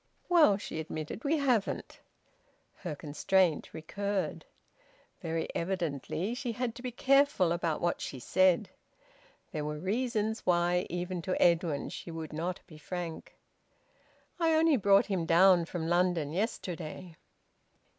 "Well," she admitted, "we haven't." Her constraint recurred. Very evidently she had to be careful about what she said. There were reasons why even to Edwin she would not be frank. "I only brought him down from London yesterday."